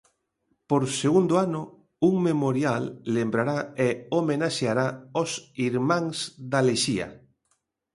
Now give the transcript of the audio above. Por segundo ano, un memorial lembrará e homenaxeará os 'Irmáns da Lexía'.